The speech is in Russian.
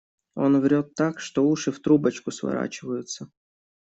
Он врёт так, что уши в трубочку сворачиваются.